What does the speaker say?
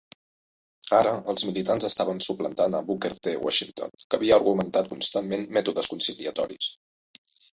Ara els militants estaven suplantant a Booker T. Washington, que havia "argumentat constantment mètodes conciliatoris".